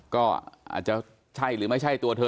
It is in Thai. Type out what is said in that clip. ก็อาจจะใช่หรือไม่ใช่ตัวเธอ